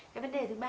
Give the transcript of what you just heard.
cái vấn đề thứ ba